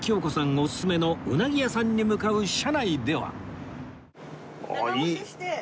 オススメのうなぎ屋さんに向かう車内では